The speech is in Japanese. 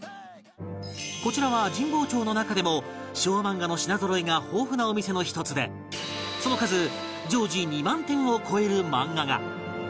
こちらは神保町の中でも昭和漫画の品ぞろえが豊富なお店の一つでその数常時２万点を超える漫画が